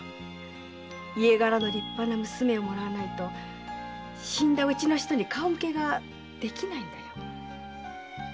家柄の立派な娘をもらわないと死んだうちの人に顔向けができないんだよ。